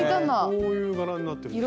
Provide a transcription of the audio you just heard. こういう柄になってるんです。